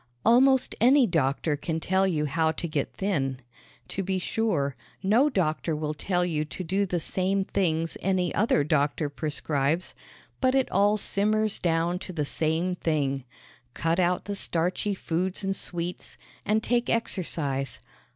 Almost any doctor can tell you how to get thin. To be sure, no doctor will tell you to do the same things any other doctor prescribes, but it all simmers down to the same thing: Cut out the starchy foods and sweets, and take exercise.